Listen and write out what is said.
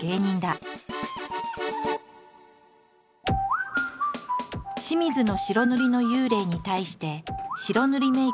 清水の白塗りの幽霊に対して白塗りメイクのコウメ。